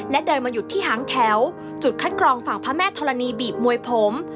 และเดินมาหยุดที่หางแถวจุดคัดกรองฝั่งพระแม่ธรณีบีบมวยผม